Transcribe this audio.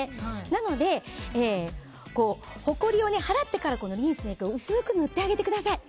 なので、ほこりを払ってからリンスを薄く塗ってあげてください。